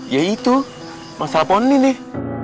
ya itu masalah pohon ini nih